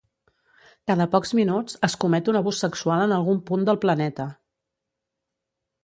Cada pocs minuts es comet un abús sexual en algun punt del planeta!